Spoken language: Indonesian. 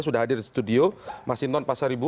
sudah hadir di studio mas hinton pasaribu